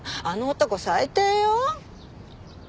あの男最低よ。